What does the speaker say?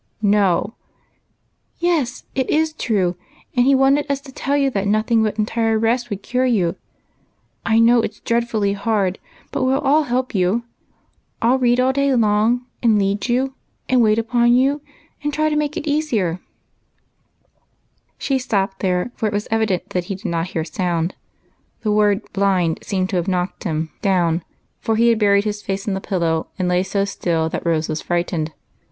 " No !"" Yes, it is true, and he wanted us to tell you that nothing but entire rest would cure you. I know it 's dreadfully hard, but we'll all help you; I'll read all day long, and lead you, and wait upon you, and try to make it easier —" She stopped there, for it was evident that he did not hear a sound ; the word " blind " seemed to have knocked him down, for he had buried his face in the pillow, and lay. so still that Rose was frightened.